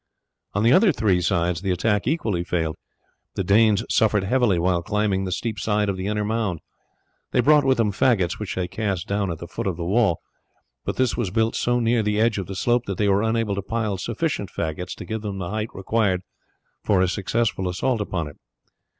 On the other three sides the attack equally failed. The Danes suffered heavily while climbing the steep side of the inner mound. They brought with them faggots, which they cast down at the foot of the wall, but this was built so near the edge of the slope that they were unable to pile sufficient faggots to give them the height required for a successful assault upon it.